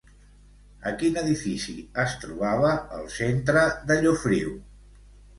A quin edifici es trobava el centre de Llofriu?